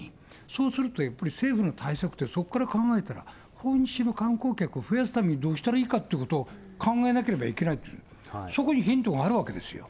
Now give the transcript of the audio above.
そうすると、やっぱり政府の対策って、そこから考えたら、訪日の観光客を増やすためにどうしたらいいかっていうことを考えなきゃいけない、そこにヒントがあるわけですよ。